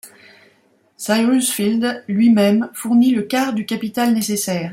Cyrus Field lui-même fournit le quart du capital nécessaire.